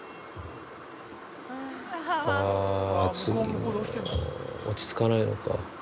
あぁ落ち着かないのか。